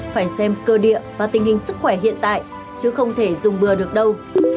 phải xem cơ địa và tình hình sức khỏe hiện tại chứ không thể dùng bừa được đâu